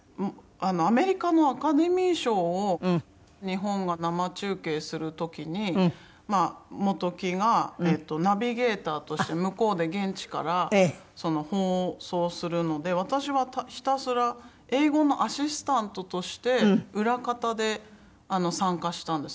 アメリカのアカデミー賞を日本が生中継する時にまあ本木がナビゲーターとして向こうで現地から放送するので私はひたすら英語のアシスタントとして裏方で参加したんです